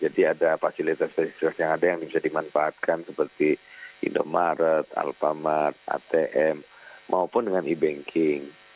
jadi ada fasilitas fasilitas yang ada yang bisa dimanfaatkan seperti indomaret alphamart atm maupun dengan e banking